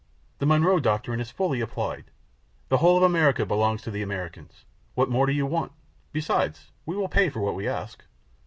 The Monroe doctrine is fully applied; the whole of America belongs to the Americans. What more do you want? Besides, we will pay for what we ask."